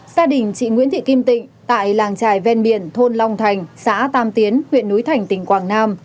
gia đình chị nguyễn thị kim tịnh tại làng trài ven biển thôn long thành xã tam tiến huyện núi thành tỉnh quảng nam